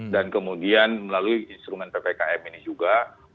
dan kemudian melalui instrumen ppkm ini juga